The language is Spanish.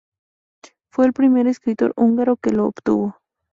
Fue el primer escritor húngaro que lo obtuvo.